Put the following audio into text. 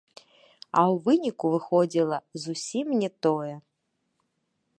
А ў выніку выходзіла зусім не тое.